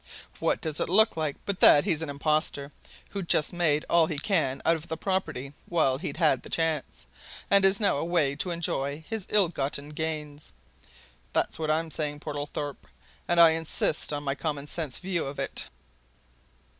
What does it look like but that he's an impostor, who's just made all he can out of the property while he'd the chance, and is now away to enjoy his ill gotten gains? That's what I'm saying, Portlethorpe and I insist on my common sense view of it!"